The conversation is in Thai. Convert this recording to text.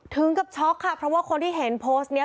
ถึงกับช็อกค่ะเพราะว่าคนที่เห็นโพสต์นี้